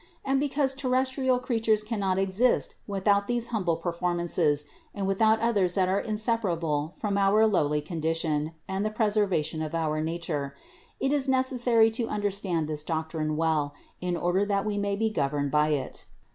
And because terrestrial crea tures cannot exist without these humble performances and without others that are inseparable from our lowly condition and the preservation of our nature, it is neces sary to understand this doctrine well, in order that we may be governed by it.